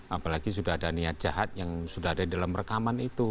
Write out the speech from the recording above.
apalagi sudah ada niat jahat yang sudah ada di dalam rekaman itu